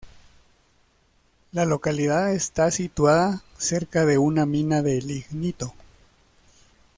La localidad está situada cerca de una mina de lignito.